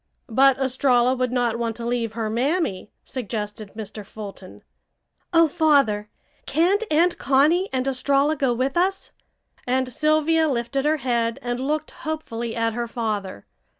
"But Estralla would not want to leave her mammy," suggested Mr. Fulton. "Oh, Father! Can't Aunt Connie and Estralla go with us?" and Sylvia lifted her head and looked hopefully at her father.